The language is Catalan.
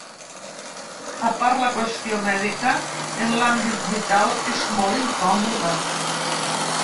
A part la qüestió mèdica, en l’àmbit vital és molt incòmode.